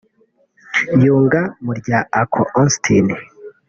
yunga mu rya Uncle Austin